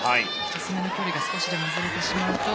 １つ目の距離が少しでもずれてしまうと。